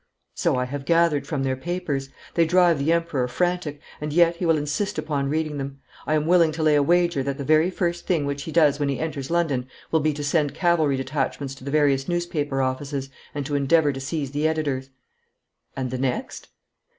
'So I have gathered from their papers. They drive the Emperor frantic, and yet he will insist upon reading them. I am willing to lay a wager that the very first thing which he does when he enters London will be to send cavalry detachments to the various newspaper offices, and to endeavour to seize the editors.' 'And the next?'